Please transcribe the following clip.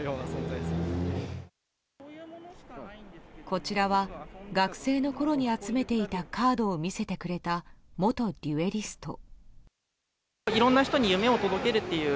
こちらは学生のころに集めていたカードを見せてくれた元デュエリスト。